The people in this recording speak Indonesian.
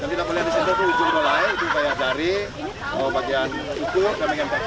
yang tidak boleh disukai itu ujung dolai itu bagian jari bagian utuh dan bagian kaki